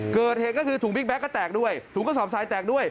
เกิดเหตุก็คือถุงบิ๊กแก๊กก็แตกด้วยถุงกระสอบทรายแตกด้วย